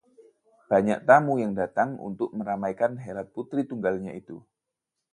banyak tamu yang datang untuk meramaikan helat putri tunggalnya itu